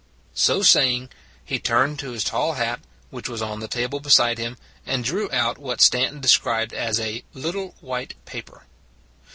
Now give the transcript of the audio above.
So saying, he turned to his tall hat, which was on the table beside him, and drew out what Stanton described as a " lit tle white paper."